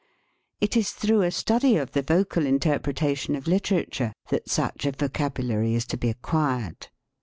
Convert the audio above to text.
It is through a study of the vocal interpretation of literature that such a vo cabulary is to be acquired.